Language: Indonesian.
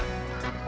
foto belik ah